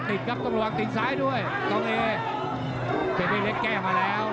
เป็นไอเล็กแก้วมาแล้ว